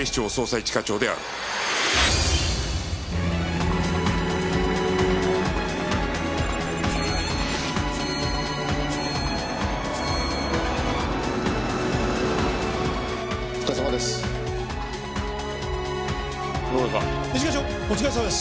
一課長お疲れさまです。